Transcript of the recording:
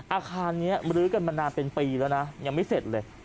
อาคารนี้มรื้อกันมานานเป็นปีแล้วนะยังไม่เสร็จเลย